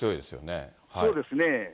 そうですね。